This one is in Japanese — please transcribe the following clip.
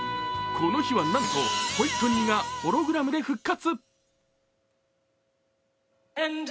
この日はなんとホイットニーがホログラムで復活。